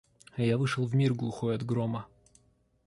Я вышел в мир глухой от грома.